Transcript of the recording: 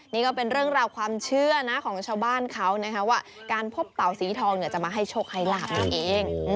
นี่ก็เป็นเรื่องราวความเชื่อนะของชาวบ้านเขานะคะว่าการพบเต่าสีทองจะมาให้โชคให้ลาบนั่นเอง